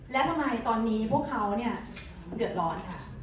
แล้วทำไมตอนนี้พวกเขาเนี่ยเดือดร้อนค่ะ